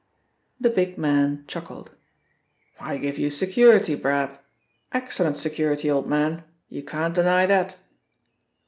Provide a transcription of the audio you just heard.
The big man chuckled. "I give you security, Brab excellent security, old man. You can't deny that!"